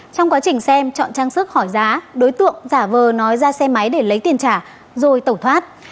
trong quá trình xem chọn trang sức khỏi giá đối tượng giả vờ nói ra xe máy để lấy tiền trả rồi tẩu thoát